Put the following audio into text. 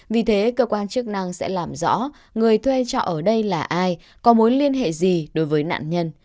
vì thế cơ quan chức năng sẽ làm rõ người thuê trọ ở đây là ai có mối liên hệ gì đối với nạn nhân